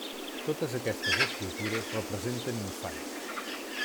Totes aquestes escultures representen infants.